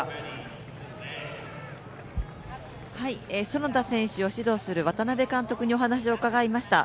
園田選手を指導する渡辺監督にお話を伺いました。